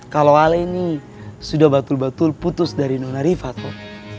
kalo ale ini sudah betul betul putus dari nona riva toh